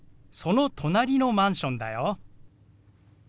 その隣のマンションだよ。